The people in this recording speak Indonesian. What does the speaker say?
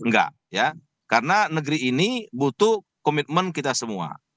enggak ya karena negeri ini butuh komitmen kita semua